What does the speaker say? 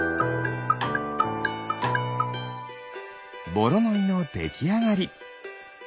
ボロノイのできあがり。